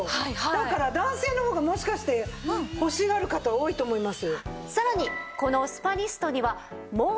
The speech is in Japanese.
だから男性の方がもしかして欲しがる方多いと思います。